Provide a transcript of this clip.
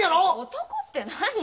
男って何よ。